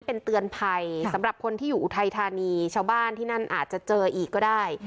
เป็นเตือนภัยสำหรับคนที่อยู่อุทัยธานีชาวบ้านที่นั่นอาจจะเจออีกก็ได้